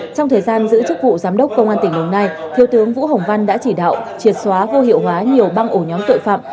trong thời gian giữ chức vụ giám đốc công an tỉnh đồng nai thiếu tướng vũ hồng văn đã chỉ đạo triệt xóa vô hiệu hóa nhiều băng ổ nhóm tội phạm